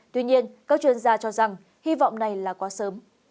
tuy nhiên các chuyên gia cho rằng hy vọng này là quá sớm